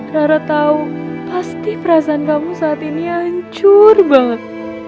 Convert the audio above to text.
rara tahu pasti perasaan kamu saat ini hancur banget